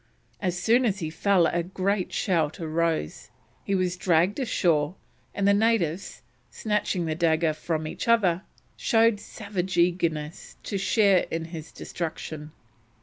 As soon as he fell a great shout arose; he was dragged ashore, and the natives, snatching the dagger from each other, showed savage eagerness to share in his destruction.